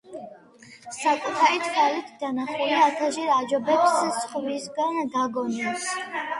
საკუთარი თვალით დანახული ათასჯერ აჯობებს სხვისგან გაგონილს.